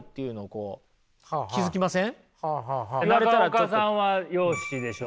中岡さんは容姿でしょ。